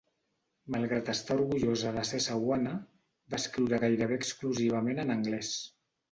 Malgrat estar orgullosa de ser cebuana, va escriure gairebé exclusivament en anglès.